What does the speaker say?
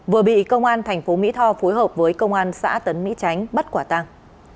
vừa bị công an tp mỹ tho phối hợp với công an xã tân mỹ chánh bắt quả tàng